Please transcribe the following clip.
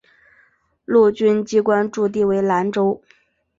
陆军机关驻地为兰州。